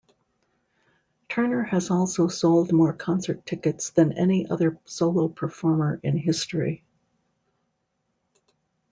Turner has also sold more concert tickets than any other solo performer in history.